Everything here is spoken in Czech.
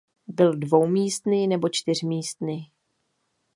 Byl dvoumístný nebo čtyřmístný.